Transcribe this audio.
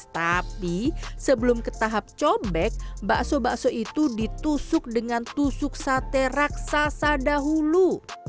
tapi sebelum ke tahap cobek bakso bakso itu ditusuk dengan tusuk sate raksasa dahulu